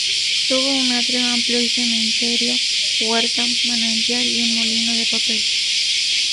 Tuvo un atrio amplio y cementerio, huerta, manantial y un molino de papel.